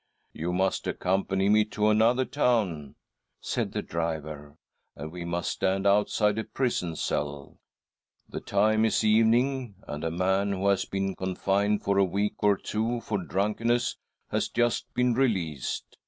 ' You must accompany me to another town," said the driver, "and we must stand outside a prison cell. The time is evening, and. a man who has been confined for a week or two for drunkenness has just been released.